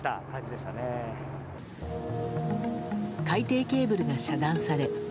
海底ケーブルが遮断され